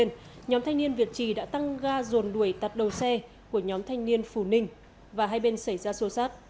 trong đó có đối tượng nhóm thanh niên việt trì đã tăng ga ruồn đuổi tắt đầu xe của nhóm thanh niên phù ninh và hai bên xảy ra xô xát